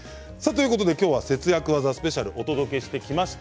節約技スペシャルをお届けしました。